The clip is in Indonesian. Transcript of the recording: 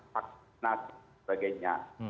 hak nasib sebagainya